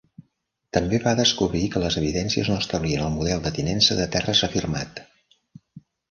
També va descobrir que les evidències no establien el model de tinença de terres afirmat.